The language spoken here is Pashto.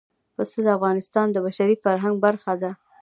پسه د افغانستان د بشري فرهنګ برخه ده.